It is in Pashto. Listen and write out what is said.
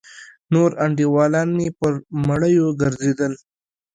نور انډيولان مې پر مړيو گرځېدل.